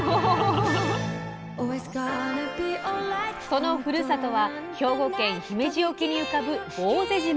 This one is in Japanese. そのふるさとは兵庫県姫路沖に浮かぶ坊勢島。